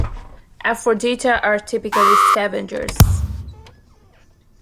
"Aphrodita" are typically scavengers.